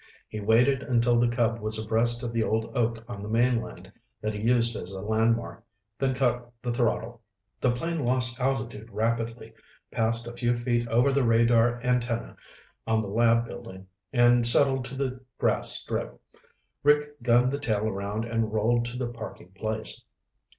He waited until the Cub was abreast of the old oak on the mainland that he used as a landmark, then cut the throttle. The plane lost altitude rapidly, passed a few feet over the radar antenna on the lab building and settled to the grass strip. Rick gunned the tail around and rolled to the parking place.